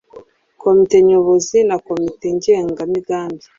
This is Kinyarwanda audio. Komite nyobozi na komite ngena migambi